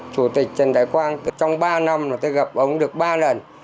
chủ tịch trần đại quang trong ba năm là tôi gặp ông được ba lần